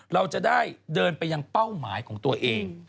เราจะได้เดินไปยังเป้าหมายของตัวเอง